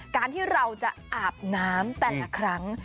การที่เราจะอาบน้ำ๘ครั้ง